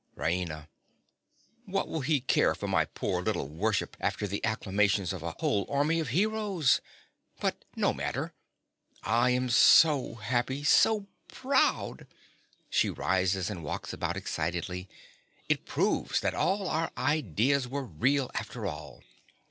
RAINA. What will he care for my poor little worship after the acclamations of a whole army of heroes? But no matter: I am so happy—so proud! (She rises and walks about excitedly.) It proves that all our ideas were real after all.